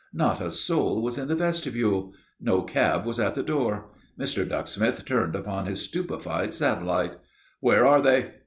Not a soul was in the vestibule. No cab was at the door. Mr. Ducksmith turned upon his stupefied satellite. "Where are they?"